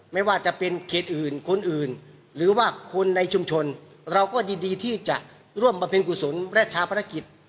ไม่ว่าจะเป็นเขตอื่นคนอื่นหรือว่าคนในชุมชนเราก็ยินดีที่จะร่วมบำเพ็ญกุศลและชาวภารกิจ